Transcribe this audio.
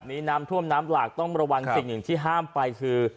น้ำท่วมน้ำหลากต้องระวังสิ่งหนึ่งที่ห้ามไปคือ